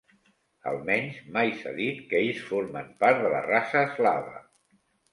Almenys mai s'ha dit que ells formen part de la raça eslava.